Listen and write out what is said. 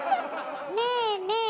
ねえねえ